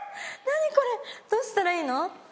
何これどうしたらいいの？